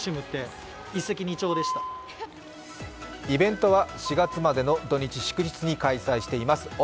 イベントは４月までの土日祝日に開催しています。